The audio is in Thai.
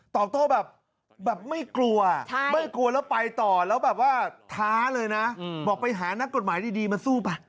โต้แบบไม่กลัวไม่กลัวแล้วไปต่อแล้วแบบว่าท้าเลยนะบอกไปหานักกฎหมายดีมาสู้ไป